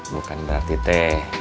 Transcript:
bukan berarti teh